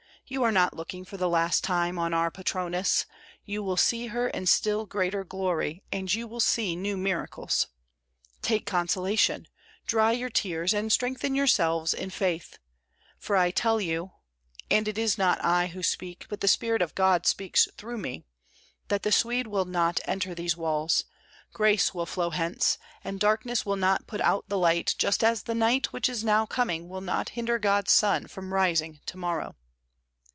You are not looking for the last time on our Patroness: you will see her in still greater glory, and you will see new miracles. Take consolation, dry your tears, and strengthen yourselves in faith; for I tell you and it is not I who speak, but the Spirit of God speaks through me that the Swede will not enter these walls; grace will flow hence, and darkness will not put out the light, just as the night which is now coming will not hinder God's sun from rising to morrow."